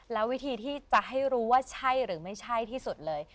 แล้ววิธีที่จะให้รู้ว่าใช่หรือไม่ใช่ที่สุดเลย